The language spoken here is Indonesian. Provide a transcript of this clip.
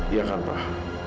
iya kan pak